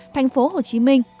thành phố hồ chí minh